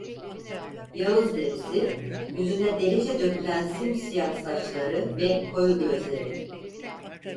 Yağız derisi, yüzüne delice dökülen simsiyah saçları ve koyu gözleri…